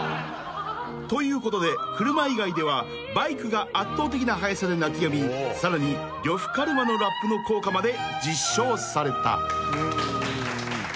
［ということで車以外ではバイクが圧倒的な早さで泣きやみさらに呂布カルマのラップの効果まで実証された］